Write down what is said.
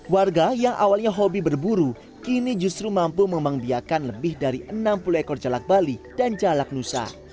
warga yang awalnya hobi berburu kini justru mampu mengembang biakan lebih dari enam puluh ekor jalak bali dan jalak nusa